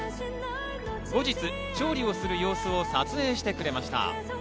後日、調理をする様子を撮影してくれました。